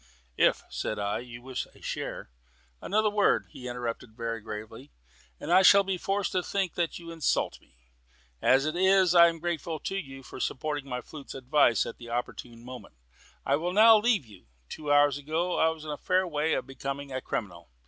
"If," said I, "you wish a share " "Another word," he interrupted very gravely, "and I shall be forced to think that you insult me. As it is, I am grateful to you for supporting my flute's advice at an opportune moment. I will now leave you. Two hours ago I was in a fair way of becoming a criminal.